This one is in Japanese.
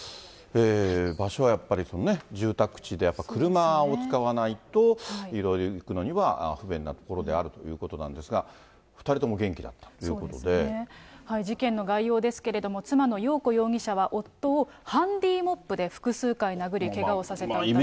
場所はやっぱり住宅地で、車を使わないと、いろいろ行くのには不便な所であるということなんですが、２人と事件の概要ですけれども、妻のよう子容疑者は、夫をハンディモップで複数回殴り、けがをさせた疑い。